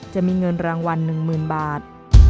จะมีเงินรางวัล๑หมื่นบาท